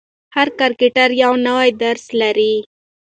هر کرکټر یو نوی درس لري.